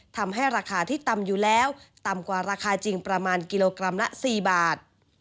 ทำให้ราคาที่ต่ำอยู่แล้วต่ำกว่าราคาจริงประมาณกิโลกรัมละ๔บาท